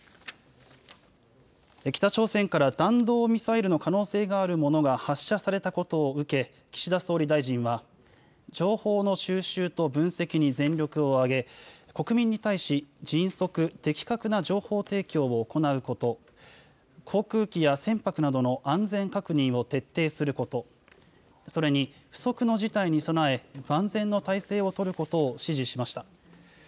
北朝鮮から弾道ミサイルの可能性があるものが発射されたことを受け、岸田総理大臣は情報の収集と分析に全力を挙げ国民に対し迅速、的確な情報提供を行うこと、航空機や船舶などの安全確認を徹底すること、それに不測の事態に備え万全の態勢を取ることを指示しました。